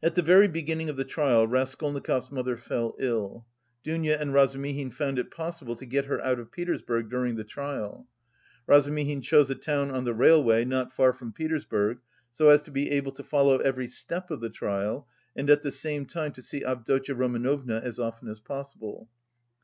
At the very beginning of the trial Raskolnikov's mother fell ill. Dounia and Razumihin found it possible to get her out of Petersburg during the trial. Razumihin chose a town on the railway not far from Petersburg, so as to be able to follow every step of the trial and at the same time to see Avdotya Romanovna as often as possible.